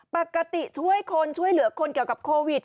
ปกติช่วยคนช่วยเหลือคนเกี่ยวกับโควิด